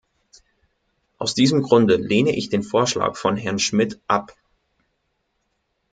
Aus diesem Grunde lehne ich den Vorschlag von Herrn Schmidt ab.